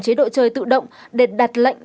chế độ chơi tự động để đặt lệnh